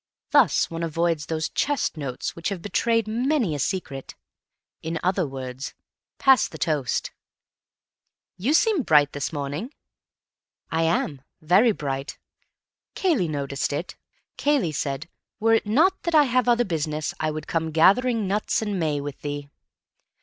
Thus one avoids those chest notes which have betrayed many a secret. In other words, pass the toast." "You seem bright this morning." "I am. Very bright. Cayley noticed it. Cayley said, 'Were it not that I have other business, I would come gathering nuts and may with thee.